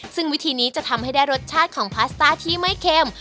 ซึ่งวิธีนี้จะทำให้ได้รสชาติของพาสต้าที่ไม่เค็ม